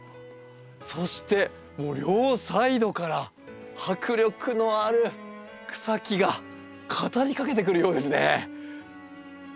そしてもう両サイドから迫力のある草木が語りかけてくるようですね。